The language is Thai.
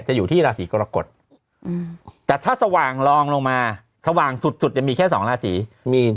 อยู่ที่ราศีกรกฎแต่ถ้าสว่างรองลงมาสว่างสุดจะมีแค่สองราศีมี